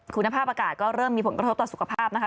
คุณภาพอากาศก็เริ่มมีผลกระทบต่อสุขภาพนะคะ